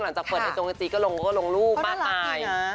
หลังจากเปิดไอ้จงกระจีก็ลงรูปมากไป